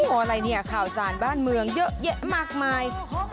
อะไรเนี่ยข่าวสารบ้านเมืองเยอะแยะมากมาย